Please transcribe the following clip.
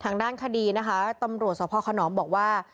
ทางด้านคดีนะคะตำรวจสอบพ่อคนน้องบอกว่า